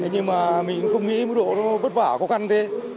nhưng mà mình cũng không nghĩ mức độ bất vả khó khăn thế